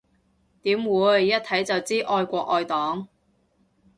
點會，一睇就知愛國愛黨